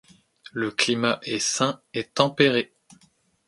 Le climat est sain et tempéré.